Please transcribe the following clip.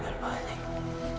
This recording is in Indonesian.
kamu ketahuan sama manusia buaya